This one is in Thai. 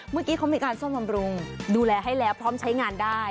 เมื่อกี้เขามีการซ่อมบำรุงดูแลให้แล้วพร้อมใช้งานได้